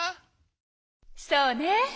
そうね！